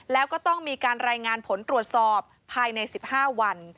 แล้วก็ต้องมีการรายงานผลตรวจสอบภายใน๑๕วัน